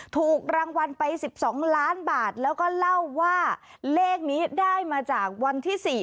ถูกรางวัลไป๑๒ล้านบาทแล้วก็เล่าว่าเลขนี้ได้มาจากวันที่๔